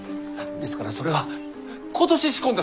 ですからそれは今年仕込んだ